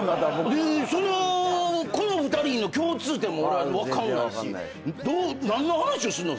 そのこの２人の共通点も俺は分かんないし何の話をすんの？